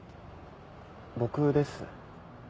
僕です。